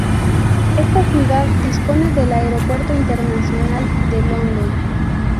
Esta ciudad dispone del Aeropuerto Internacional de London.